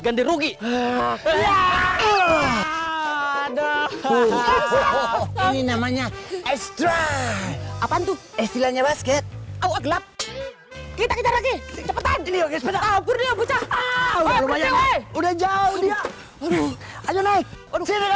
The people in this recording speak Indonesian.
berugi ini namanya extra apaan tuh istilahnya basket gelap kita lagi cepetan udah jauh dia